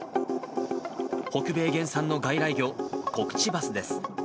北米原産の外来魚、コクチバスです。